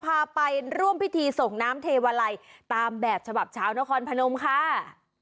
พาไปร่วมพิธีส่งน้ำเทวาลัยตามแบบฉบับชาวนครพนมค่ะ